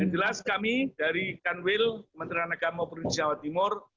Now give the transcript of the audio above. jelas kami dari kanwil kementerian agama perunding jawa timur